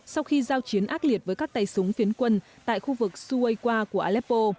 sau khi giao chiến ác liệt với các tay súng phiến quân tại khu vực suwayqua của aleppo